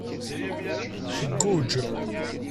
Tguǧǧ.